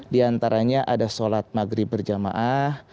di antaranya ada sholat maghrib berjamaah